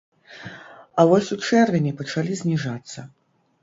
А вось ў чэрвені пачалі зніжацца.